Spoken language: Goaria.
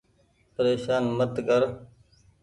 پريشان مت ڪر ۔